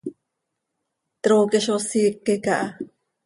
Trooqui zo siique caha.